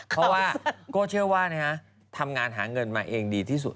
เพราะว่าโก้เชื่อว่าทำงานหาเงินมาเองดีที่สุด